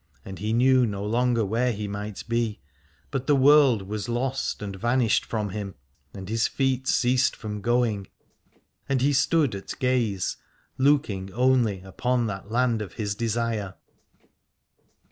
And he knew no longer where he might be, but the world was lost and vanisht from him; and his feet ceased from 252 Aladore going, and he stood at gaze, looking only upon that land of his desire.